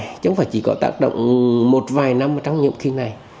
chứ không phải chỉ có tác động một vài năm trong nhiệm kỳ này